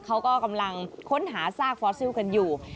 เขาก็กำลังค้นหาซากฟอสซิลกันอยู่